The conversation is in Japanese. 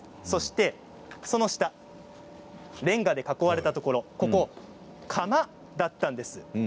そして、その下れんがで囲われたところここは窯だったんです。